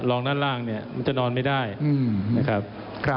รองด้านล่างเนี่ยมันจะนอนไม่ได้นะครับ